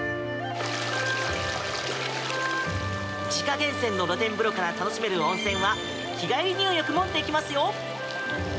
自家源泉の露天風呂から楽しめる温泉は日帰り入浴もできますよ。